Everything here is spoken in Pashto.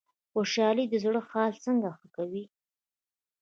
خوشحالي د زړه حال څنګه ښه کوي؟